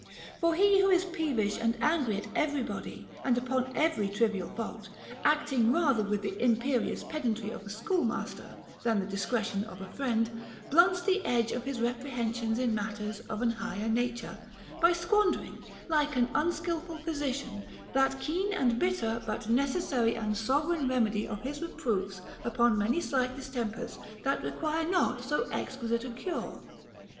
For he who is peevish and angry at everybody and upon every trivial fault, acting * II. V. 800. t II. 461. FROM A FRIEND. 153 rather with the imperious pedantry of a schoolmaster than the discretion of a friend, blunts the edge of his reprehen sions in matters of an higher nature, by squandering, like an unskilful physician, that keen and bitter but necessary and sovereign remedy of his reproofs upon many slight distempers that require not so exquisite a cure.